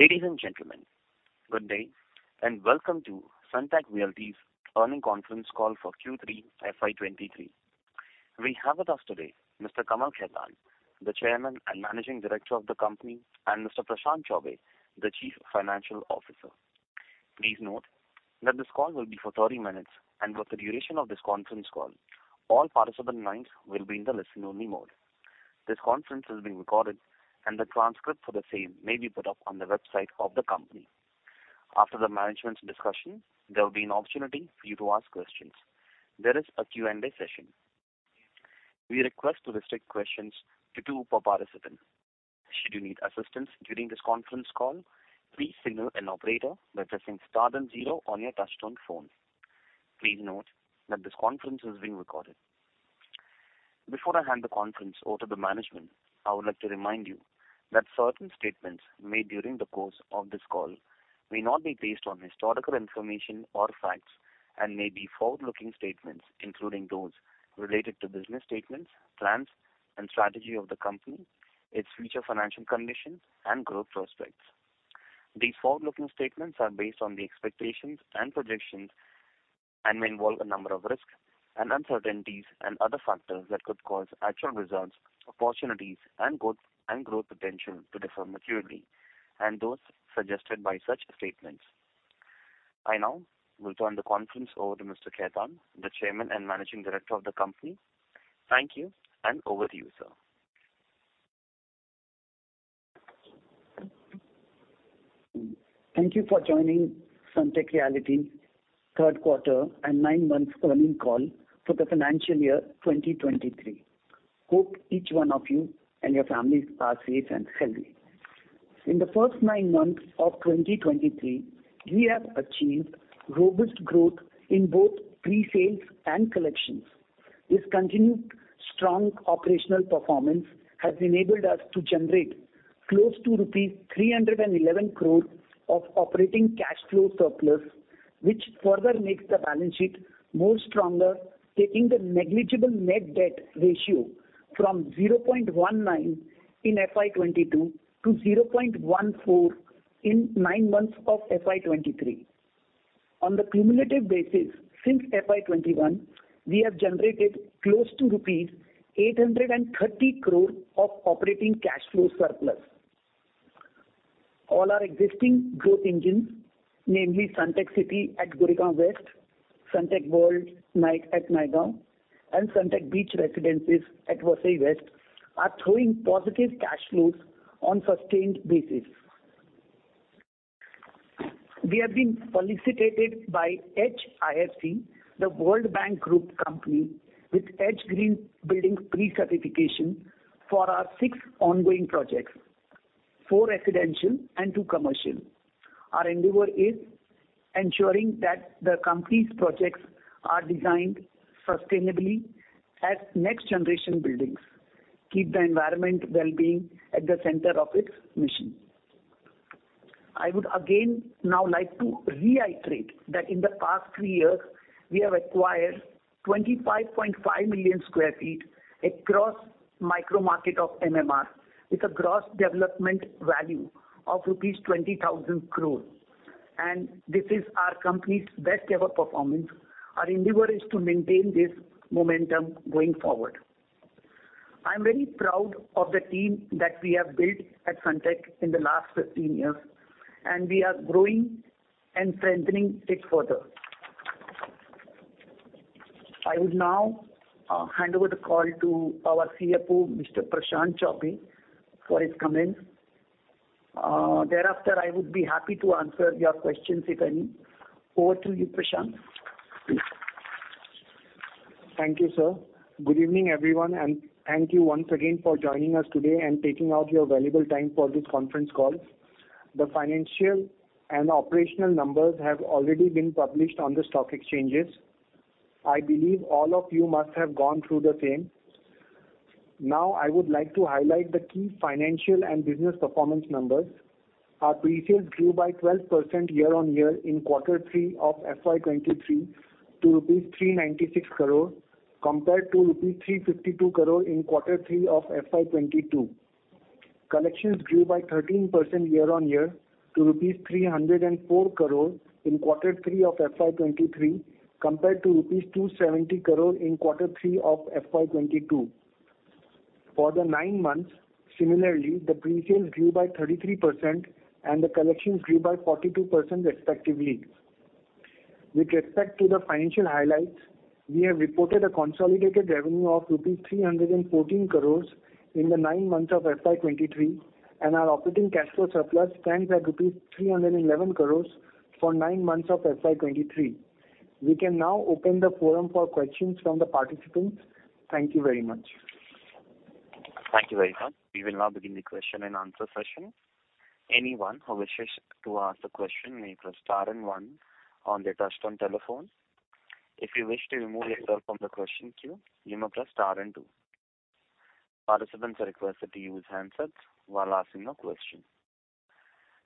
Ladies and gentlemen, good day, welcome to Sunteck Realty's earnings conference call for Q3 FY 2023. We have with us today Mr. Kamal Khetan, the Chairman and Managing Director of the company, and Mr. Prashant Chaubey, the Chief Financial Officer. Please note that this call will be for 30 minutes. For the duration of this conference call, all participant lines will be in the listen-only mode. This conference is being recorded. The transcript for the same may be put up on the website of the company. After the management's discussion, there will be an opportunity for you to ask questions. There is a Q&A session. We request to restrict questions to two per participant. Should you need assistance during this conference call, please signal an operator by pressing star then zero on your touch-tone phone. Please note that this conference is being recorded. Before I hand the conference over to the management, I would like to remind you that certain statements made during the course of this call may not be based on historical information or facts and may be forward-looking statements, including those related to business statements, plans, and strategy of the company, its future financial conditions and growth prospects. These forward-looking statements are based on the expectations and projections and may involve a number of risks and uncertainties and other factors that could cause actual results, opportunities, and growth, and growth potential to differ materially and those suggested by such statements. I now will turn the conference over to Mr. Khetan, the Chairman and Managing Director of the company. Thank you, and over to you, sir. Thank you for joining Sunteck Realty third quarter and nine months earning call for the financial year 2023. Hope each one of you and your families are safe and healthy. In the first 9 months of 2023, we have achieved robust growth in both pre-sales and collections. This continued strong operational performance has enabled us to generate close to rupees 311 crore of operating cash flow surplus, which further makes the balance sheet more stronger, taking the negligible net debt ratio from 0.19 in FY 2022 to 0.14 in nine months of FY 2023. On the cumulative basis since FY 2021, we have generated close to rupees 830 crore of operating cash flow surplus. All our existing growth engines, namely Sunteck City at Goregaon West, Sunteck World at Naigaon, and Sunteck Beach Residences at Versova West, are throwing positive cash flows on sustained basis. We have been felicitated by IFC, the World Bank Group company, with EDGE Green Building pre-certification for our six ongoing projects, four residential and two commercial. Our endeavor is ensuring that the company's projects are designed sustainably as next-generation buildings keep the environment well-being at the center of its mission. I would again now like to reiterate that in the past three years, we have acquired 25.5 million sq ft across micro market of MMR, with a gross development value of rupees 20,000 crore. This is our company's best-ever performance. Our endeavor is to maintain this momentum going forward. I'm very proud of the team that we have built at Sunteck in the last 15 years, and we are growing and strengthening it further. I would now hand over the call to our CFO, Mr. Prashant Chaubey, for his comments. Thereafter, I would be happy to answer your questions, if any. Over to you, Prashant. Thank you, sir. Good evening, everyone, and thank you once again for joining us today and taking out your valuable time for this conference call. The financial and operational numbers have already been published on the stock exchanges. I believe all of you must have gone through the same. Now, I would like to highlight the key financial and business performance numbers. Our pre-sales grew by 12% year-on-year in Q3 of FY23 to rupees 396 crore compared to rupees 352 crore in Q3 of FY22. Collections grew by 13% year-on-year to rupees 304 crore in Q3 of FY23 compared to rupees 270 crore in Q3 of FY22. For the nine months, similarly, the pre-sales grew by 33% and the collections grew by 42% respectively. With respect to the financial highlights, we have reported a consolidated revenue of rupees 314 crores in the nine months of FY23. Our operating cash flow surplus stands at rupees 311 crores for nine months of FY23. We can now open the forum for questions from the participants. Thank you very much. Thank you very much. We will now begin the question and answer session. Anyone who wishes to ask the question may press star and one on their touchtone telephone. If you wish to remove yourself from the question queue, you may press star and two. Participants are requested to use handsets while asking a question.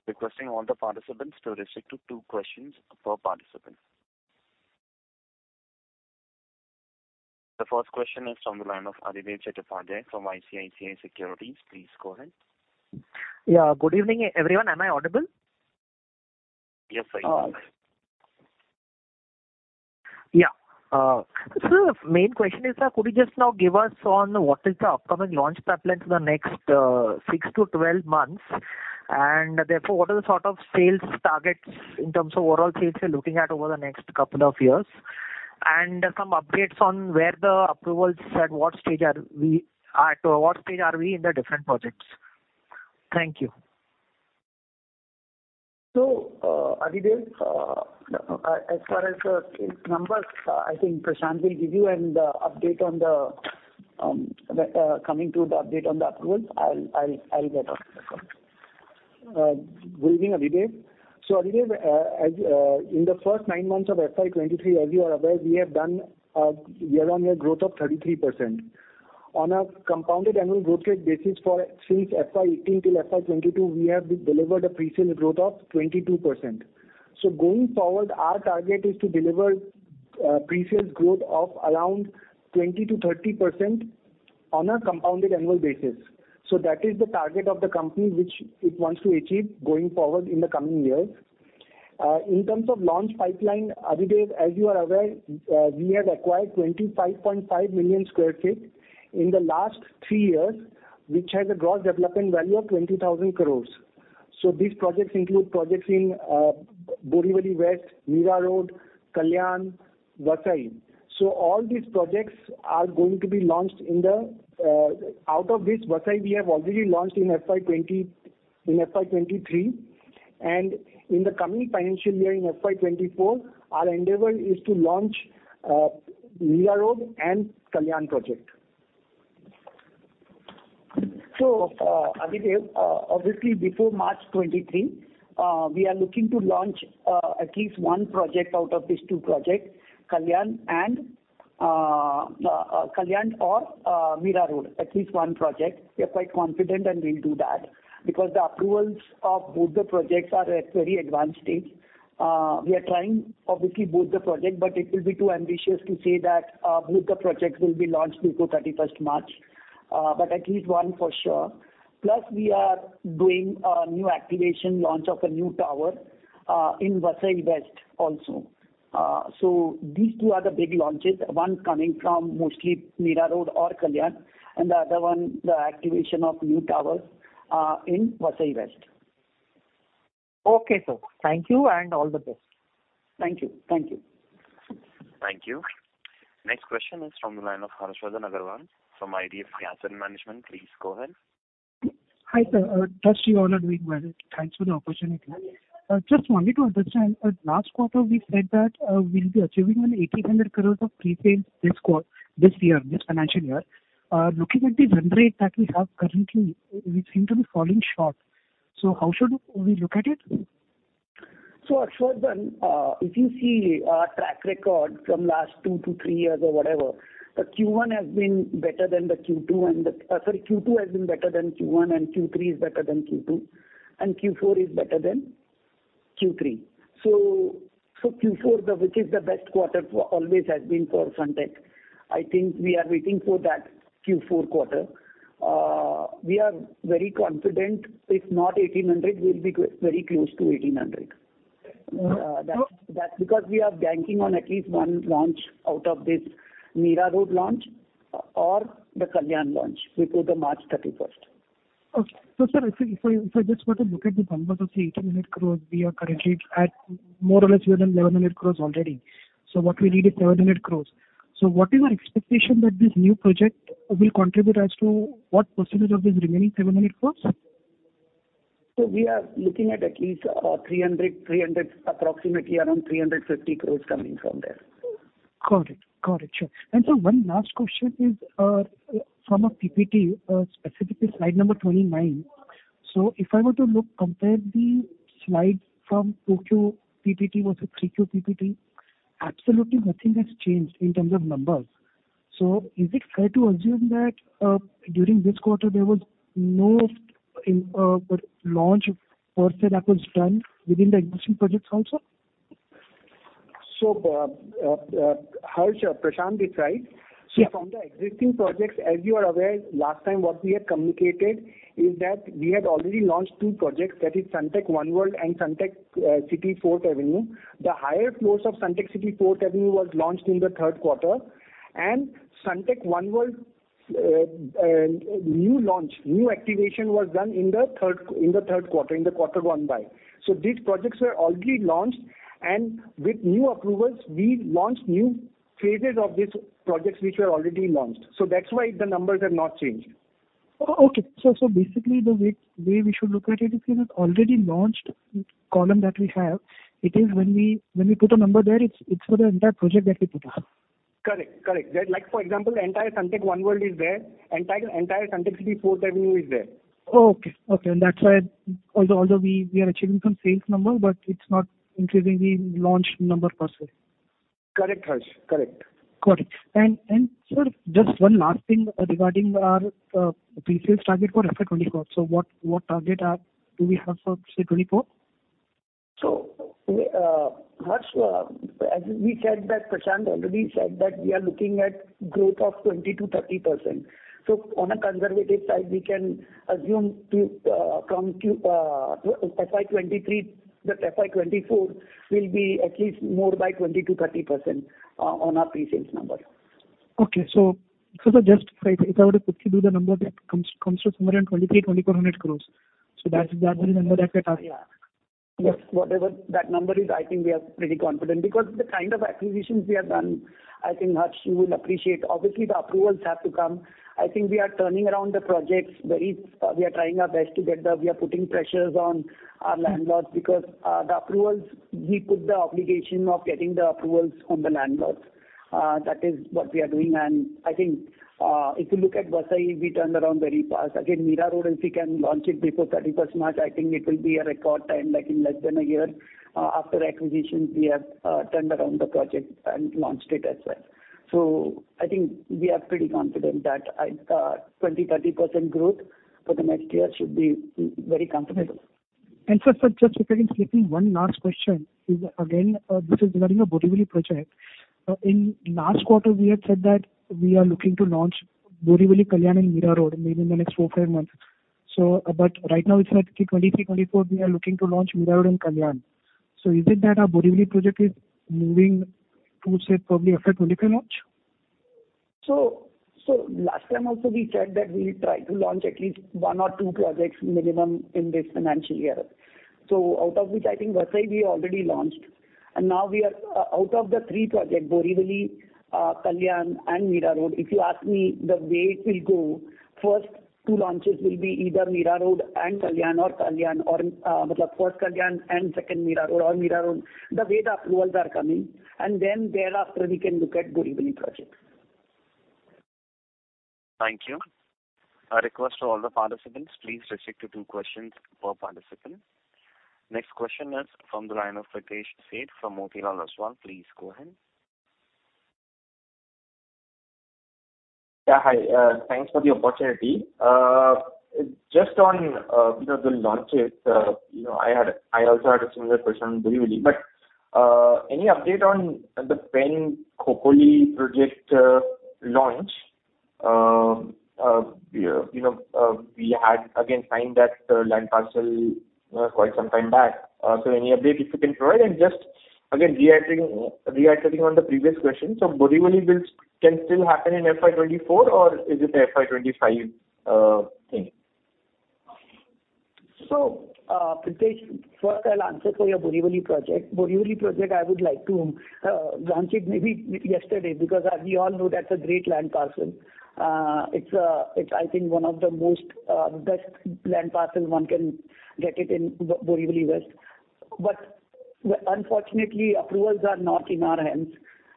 Requesting all the participants to restrict to two questions per participant. The first question is from the line of Adhidev Chattopadhyay from ICICI Securities. Please go ahead. Yeah. Good evening, everyone. Am I audible? Yes, I hear. Yeah. The main question is that could you just now give us on what is the upcoming launch pipeline for the next six to 12 months? Therefore, what are the sort of sales targets in terms of overall sales you're looking at over the next couple of years? Some updates on where the approvals, at what stage are we in the different projects? Thank you. Adhidev, as far as the sales numbers, I think Prashant will give you an update on the coming to the update on the approvals. I'll get on. Good evening, Adhidev. Adhidev, as in the first nine months of FY23, as you are aware, we have done a year-on-year growth of 33%. On a Compounded Annual Growth Rate basis for since FY18 till FY22, we have delivered a pre-sale growth of 22%. Going forward, our target is to deliver pre-sales growth of around 20%-30% on a compounded annual basis. That is the target of the company which it wants to achieve going forward in the coming years. In terms of launch pipeline, Adhidev, as you are aware, we have acquired 25.5 million sq ft in the last three years, which has a Gross Development Value of 20,000 crores. These projects include projects in Borivali West, Mira Road, Kalyan, Vasai. All these projects are going to be launched in the, out of which Vasai we have already launched in FY 2023, and in the coming financial year, in FY 2024, our endeavor is to launch Mira Road and Kalyan project. Adhidev, obviously before March 2023, we are looking to launch at least one project out of these two projects, Kalyan and Kalyan or Mira Road, at least one project. We are quite confident, and we'll do that because the approvals of both the projects are at very advanced stage. We are trying obviously both the project, but it will be too ambitious to say that both the projects will be launched before 31st March, but at least one for sure. We are doing a new activation launch of a new tower in Vasai West also. These two are the big launches, one coming from mostly Mira Road or Kalyan, and the other one, the activation of new tower in Vasai West. Okay, sir. Thank you and all the best. Thank you. Thank you. Thank you. Next question is from the line of Harshvardhan Agrawal from IDFC Asset Management. Please go ahead. Hi, sir. Trust you all are doing well. Thanks for the opportunity. Just wanted to understand, last quarter we said that we'll be achieving an 1,800 crores of pre-sales this year, this financial year. Looking at the run rate that we have currently, we seem to be falling short. How should we look at it? Harshvardhan, if you see our track record from last two to three years or whatever, the Q1 has been better than the Q2, sorry, Q2 has been better than Q1, and Q3 is better than Q2, and Q4 is better than Q3. Q4 which is the best quarter for always has been for Sunteck. I think we are waiting for that Q4 quarter. We are very confident, if not 1,800, we'll be very close to 1,800. Uh, so- That's because we are banking on at least one launch out of this Mira Road launch or the Kalyan launch before the March 31st. Okay. Sir, if we just were to look at the numbers of the 1,800 crores, we are currently at more or less within 1,100 crores already. What we need is 700 crores. What is your expectation that this new project will contribute as to what percentage of this remaining 700 crores? We are looking at least, approximately around 350 crores coming from there. Got it. Got it. Sure. Sir, one last question is, from a PPT, specifically Slide number 29. If I were to look, compare the slide from 2Q PPT versus 3Q PPT, absolutely nothing has changed in terms of numbers. Is it fair to assume that, during this quarter, there was no launch per se that was done within the existing projects also? Harsh, Prashant this side. Yeah. From the existing projects, as you are aware, last time what we had communicated is that we had already launched two projects, that is Sunteck One World and Sunteck City 4th Avenue. The higher floors of Sunteck City 4th Avenue was launched in the third quarter, and Sunteck One World, new launch, new activation was done in the third, in the third quarter, in the quarter gone by. These projects were already launched, and with new approvals, we launched new phases of these projects which were already launched. That's why the numbers have not changed. Okay. Basically, the way we should look at it is it already launched column that we have. It is when we put a number there, it's for the entire project that we put up. Correct. Correct. There, like for example, the entire Sunteck One World is there. Entire Sunteck City 4th Avenue is there. Oh, okay. Okay. That's why, although we are achieving some sales number, but it's not increasing the launched number per se. Correct, Harsh. Correct. Got it. Sir, just one last thing regarding our pre-sales target for FY 2024. What target do we have for say 2024? Harsh, as we said that, Prashant already said that we are looking at growth of 20%-30%. On a conservative side, we can assume to, from Q, FY 2023 that FY 2024 will be at least more by 20%-30% on our pre-sales number. Okay. Just if I were to quickly do the number that comes to somewhere around 2,300 crore-2,400 crore. That's, that will be the number that we are talking about. Yes. Whatever that number is, I think we are pretty confident because the kind of acquisitions we have done, I think, Harsh, you will appreciate. Obviously, the approvals have to come. I think we are turning around the projects, we are trying our best to get the. We are putting pressures on our landlords because the approvals, we put the obligation of getting the approvals from the landlords. That is what we are doing. I think, if you look at Vasai, we turned around very fast. Again, Mira Road, if we can launch it before 31st March, I think it will be a record time. Like in less than a year, after acquisition, we have turned around the project and launched it as well. I think we are pretty confident that 20%-30% growth for the next year should be very comfortable. Sir, just if I can slip in one last question. Is again, this is regarding a Borivali project. In last quarter, we had said that we are looking to launch Borivali, Kalyan and Mira Road maybe in the next four, five months. Right now it's like 2023, 2024 we are looking to launch Mira Road and Kalyan. Is it that our Borivali project is moving to say probably after 2023 launch? Last time also we said that we will try to launch at least one or two projects minimum in this financial year. Out of which I think Vasai we already launched. Now we are out of the three project Borivali, Kalyan and Mira Road, if you ask me the way it will go, first two launches will be either Mira Road and Kalyan or Kalyan or first Kalyan and second Mira Road or Mira Road, the way the approvals are coming. Thereafter we can look at Borivali project. Thank you. A request to all the participants, please restrict to 2 questions per participant. Next question is from the line of Pritesh Sheth from Motilal Oswal. Please go ahead. Yeah, hi. Thanks for the opportunity. Just on, you know, the launches, you know, I had, I also had a similar question on Borivali, but any update on the Pen-Khopoli Project, launch? You know, we had again signed that land parcel quite some time back. Any update if you can provide? Just again reacting on the previous question, Borivali can still happen in FY 2024 or is it a FY 2025, thing? Pritesh, first I'll answer for your Borivali project. Borivali project, I would like to launch it maybe yesterday, because as we all know, that's a great land parcel. It's, it's I think one of the most best land parcel one can get it in Borivali West. Unfortunately, approvals are not in our hands.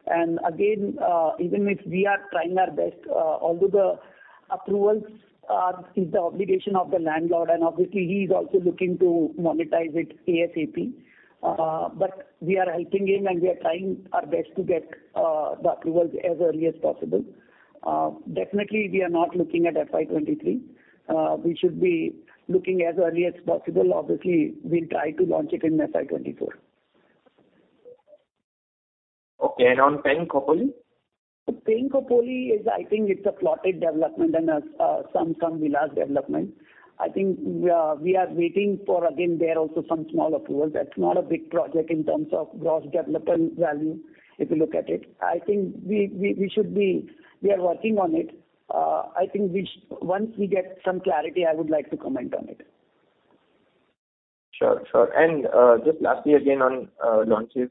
Again, even if we are trying our best, although the approvals is the obligation of the landlord, and obviously he is also looking to monetize it ASAP. We are helping him, and we are trying our best to get the approvals as early as possible. We are not looking at FY23. We should be looking as early as possible. We'll try to launch it in FY24. Okay. On Pen-Khopoli? Pen-Khopoli is I think it's a plotted development and some villas development. I think we are waiting for again, there also some small approvals. That's not a big project in terms of gross development value, if you look at it. I think we are working on it. I think once we get some clarity, I would like to comment on it. Sure, sure. just lastly, again on, launches.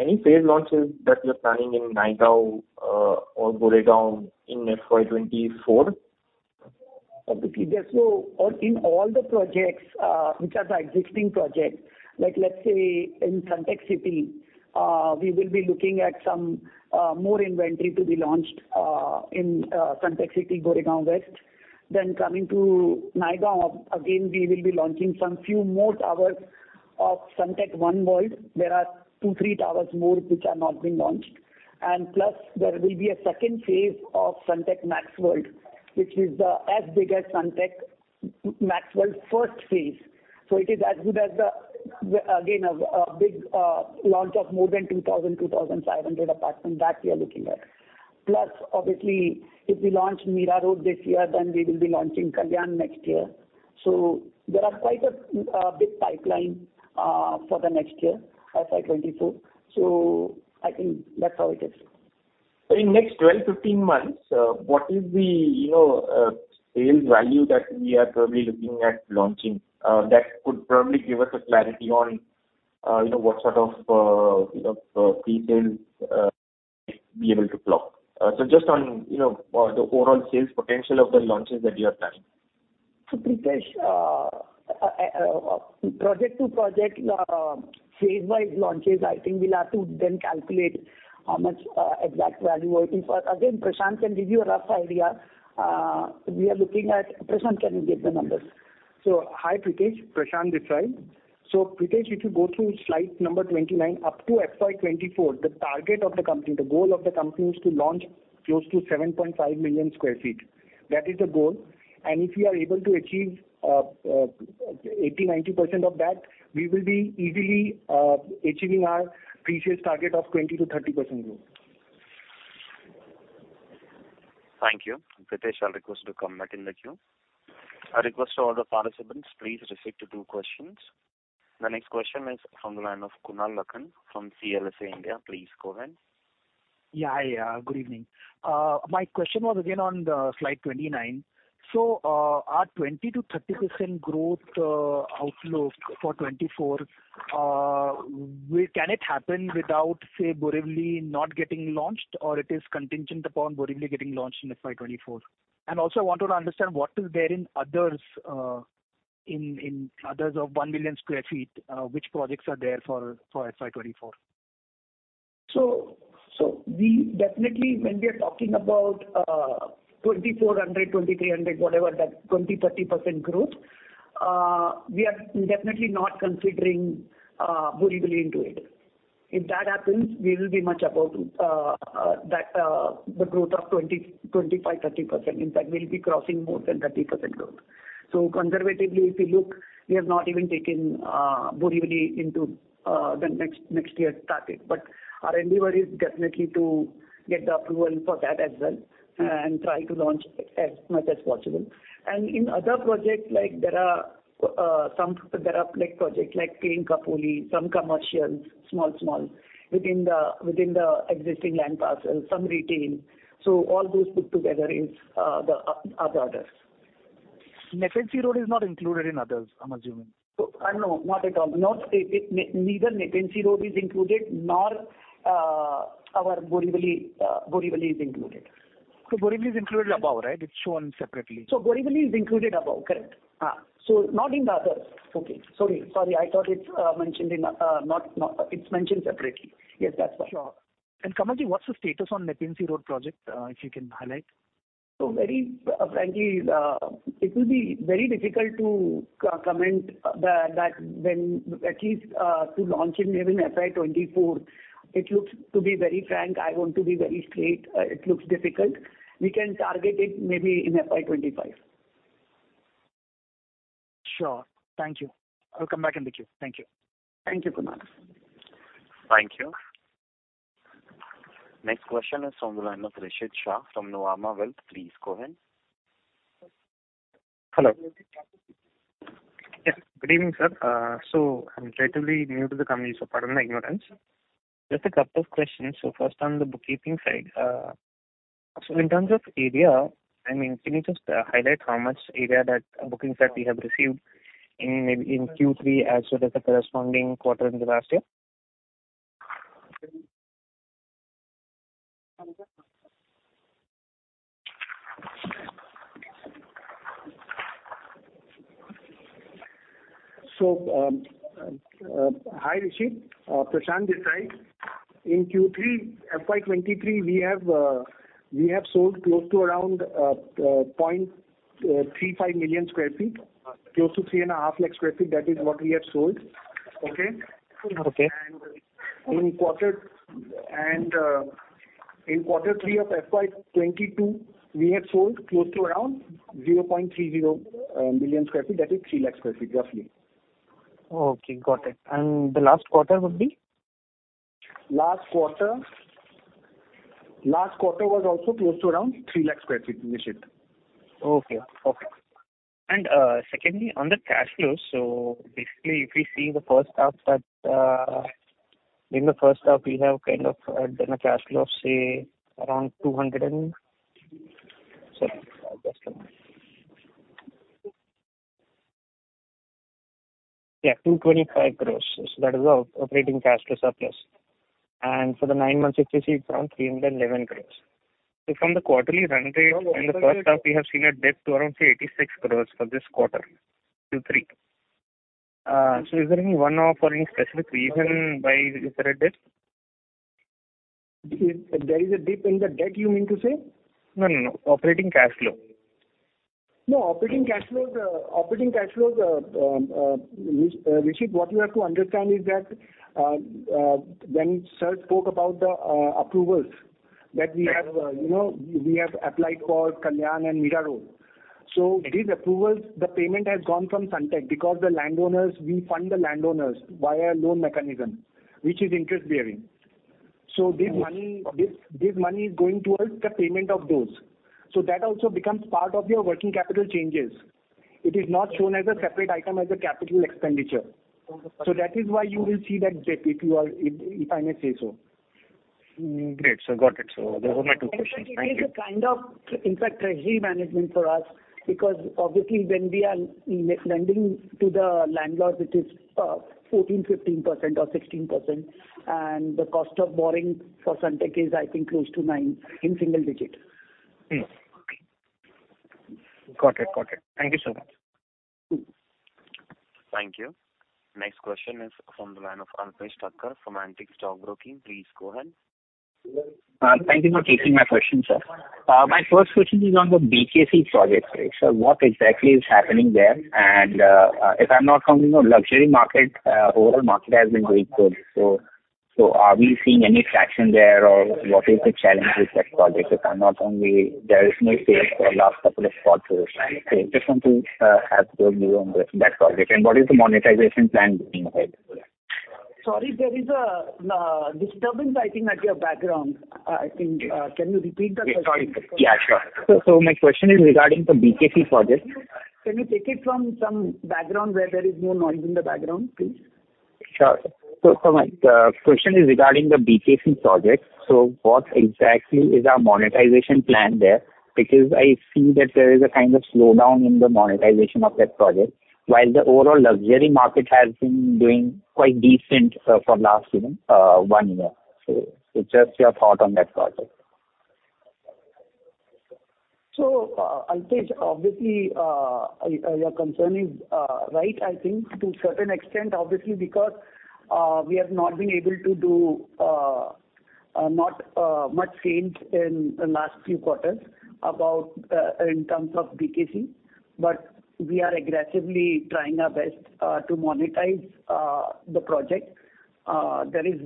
Any phased launches that you're planning in Naigaon or Borivali in FY 2024? Obviously, in all the projects, which are the existing projects, like let's say in Sunteck City, we will be looking at some more inventory to be launched in Sunteck City, Borivali West. Coming to Naigaon, again, we will be launching some few more towers of Sunteck One World. There are two, three towers more which have not been launched. Plus there will be a second phase of Sunteck Maxx World, which is the, as big as Sunteck Maxx World first phase. It is as good as the, again, a big launch of more than 2,000-2,500 apartments that we are looking at. Obviously, if we launch Mira Road this year, then we will be launching Kalyan next year. There are quite a big pipeline for the next year, FY 2024. I think that's how it is. In next 12, 15 months, what is the, you know, sales value that we are probably looking at launching, that could probably give us a clarity on, you know, what sort of, you know, pre-sales be able to clock? So just on, you know, the overall sales potential of the launches that you are planning. Pritesh, project to project, phase-wise launches, I think we'll have to then calculate how much exact value or if again, Prashant can give you a rough idea. We are looking at... Prashant, can you give the numbers? Hi, Pritesh. Prashant this side. Pritesh, if you go through Slide number 29, up to FY 2024, the target of the company, the goal of the company is to launch close to 7.5 million sq ft. That is the goal. If we are able to achieve 80%-90% of that, we will be easily achieving our pre-sales target of 20%-30% growth. Thank you. Pritesh, I'll request you to come back in the queue. I request all the participants, please restrict to two questions. The next question is from the line of Kunal Lakhan from CLSA India. Please go ahead. Good evening. My question was again on the slide 29. Our 20%-30% growth outlook for 2024, can it happen without, say, Borivali not getting launched or it is contingent upon Borivali getting launched in FY 2024? Also I wanted to understand what is there in others, in others of 1 million sq ft, which projects are there for FY 2024? We definitely when we are talking about 2,400, 2,300, whatever that 20%-30% growth, we are definitely not considering Borivali into it. If that happens, we will be much above the growth of 20%, 25%, 30%. In fact, we'll be crossing more than 30% growth. Conservatively, if you look, we have not even taken Borivali into the next year target. Our endeavor is definitely to get the approval for that as well and try to launch as much as possible. In other projects, like projects like Pen-Khopoli Project, some commercials, small within the existing land parcel, some retail. All those put together is the other others. Nepean Sea Road is not included in others, I'm assuming. no, not at all. Neither Nepean Sea Road is included nor our Borivali is included. Borivali is included above, right? It's shown separately. Borivali is included above, correct. not in the others. Okay. Sorry, I thought it's mentioned in. It's mentioned separately. Yes, that's fine. Sure. Kamalji, what's the status on Nepean Sea Road project, if you can highlight? very, frankly, it will be very difficult to comment the, that when at least, to launch in maybe in FY24, it looks to be very frank, I want to be very straight. It looks difficult. We can target it maybe in FY25. Sure. Thank you. I'll come back in the queue. Thank you. Thank you, Kunal. Thank you. Next question is from the line of Nishit Shah from Nuvama Wealth. Please go ahead. Hello. Yes. Good evening, sir. I'm relatively new to the company, so pardon my ignorance. Just a couple of questions. First on the bookkeeping side. In terms of area, I mean, can you just highlight how much area that bookings that we have received in maybe in Q3 as well as the corresponding quarter in the last year? Hi, Nishit. Prashant this side. In Q3 FY23, we have sold close to around 0.35 million sq ft. Close to 3.5 lakh sq ft, that is what we have sold. Okay? Okay. In quarter three of FY22, we have sold close to around 0.30 million sq ft. That is 3 lakh sq ft roughly. Okay, got it. The last quarter would be? Last quarter was also close to around 3 lakh sq ft, Nishit. Okay. Okay. Secondly, on the cash flows, basically if we see the first half that, in the first half we have kind of done a cash flow of say around 225 crores. That is our operating cash flow surplus. For the nine months it received around 311 crores. From the quarterly run rate in the first half we have seen a dip to around say 86 crores for this quarter Q3. Is there any one-off or any specific reason why is there a dip? There is a dip in the debt you mean to say? No, no. Operating cash flow. No operating cash flows, Nishit what you have to understand is that, when sir spoke about the approvals that we have, you know, we have applied for Kalyan and Mira Road. These approvals, the payment has gone from Sunteck because the landowners, we fund the landowners via loan mechanism which is interest bearing. This money. Okay. This money is going towards the payment of those. That also becomes part of your working capital changes. It is not shown as a separate item as a capital expenditure. That is why you will see that dip if I may say so. Great, sir. Got it. Those were my two questions. Thank you. Nishit it is a kind of in fact treasury management for us because obviously when we are lending to the landlords it is 14%, 15% or 16% and the cost of borrowing for Sunteck is I think close to 9% in single digit. Okay. Got it. Got it. Thank you so much. Thank you. Next question is from the line of Alpesh Thacker from Antique Stock Broking. Please go ahead. Thank you for taking my question, sir. My first question is on the BKC project. What exactly is happening there? If I'm not wrong, you know, luxury market, overall market has been doing good. Are we seeing any traction there or what is the challenge with that project? If I'm not only, there is no sale for last couple of quarters. I just want to have your view on with that project and what is the monetization plan going ahead? Sorry, there is a disturbance I think at your background. I think can you repeat the question? Yeah, sure. So my question is regarding the BKC project. Can you take it from some background where there is no noise in the background, please? Sure. My, the question is regarding the BKC project. What exactly is our monetization plan there? I see that there is a kind of slowdown in the monetization of that project, while the overall luxury market has been doing quite decent, for last, you know, one year. Just your thought on that project. Alpesh, obviously, your concern is right, I think, to a certain extent, obviously, because we have not been able to do not much sales in the last few quarters about in terms of BKC. We are aggressively trying our best to monetize the project. There is...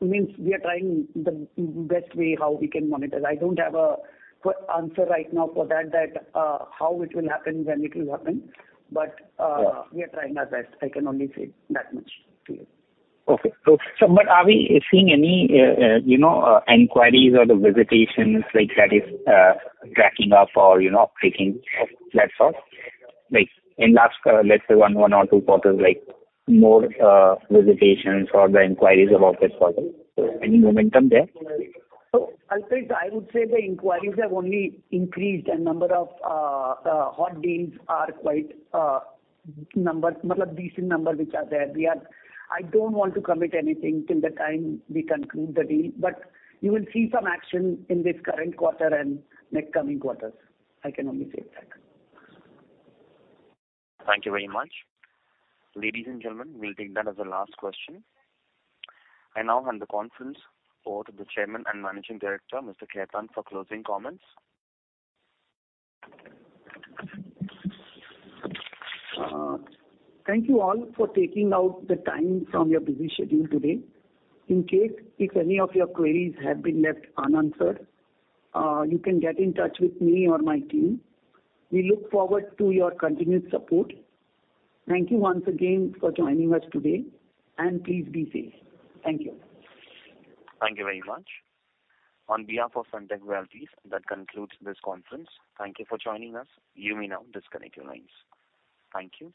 Means we are trying the best way how we can monetize. I don't have a answer right now for that, how it will happen, when it will happen. But- Yeah. We are trying our best, I can only say that much to you. Okay. Are we seeing any, you know, inquiries or the visitations like that is tracking up or, you know, picking up, that sort? Like in last, let's say one or two quarters, like more visitations or the inquiries about this project. Any momentum there? Alpesh, I would say the inquiries have only increased and number of hot deals are quite decent number which are there. I don't want to commit anything till the time we conclude the deal. You will see some action in this current quarter and next coming quarters. I can only say that. Thank you very much. Ladies and gentlemen, we'll take that as the last question. I now hand the conference over to the Chairman and Managing Director, Mr. Khetan for closing comments. Thank you all for taking out the time from your busy schedule today. In case if any of your queries have been left unanswered, you can get in touch with me or my team. We look forward to your continued support. Thank you once again for joining us today, and please be safe. Thank you. Thank you very much. On behalf of Sunteck Realty, that concludes this conference. Thank you for joining us. You may now disconnect your lines. Thank you.